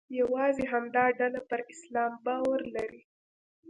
یوازې همدا ډله پر اسلام باور لري.